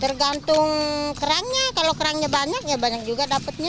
tergantung kerangnya kalau kerangnya banyak ya banyak juga dapatnya